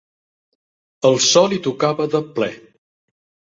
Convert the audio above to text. El sol hi tocava de ple.